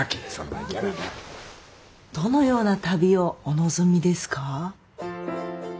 どのような旅をお望みですか？